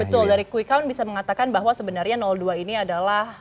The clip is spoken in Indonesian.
betul dari quick count bisa mengatakan bahwa sebenarnya dua ini adalah